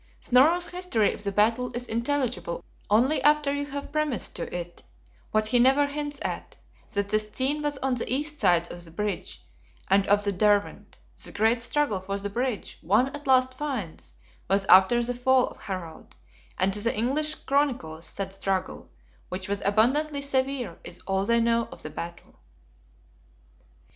Snorro's history of the battle is intelligible only after you have premised to it, what he never hints at, that the scene was on the east side of the bridge and of the Derwent; the great struggle for the bridge, one at last finds, was after the fall of Harald; and to the English Chroniclers, said struggle, which was abundantly severe, is all they know of the battle.